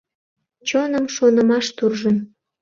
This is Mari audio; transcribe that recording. — Чоным шонымаш туржын.